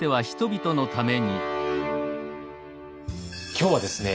今日はですね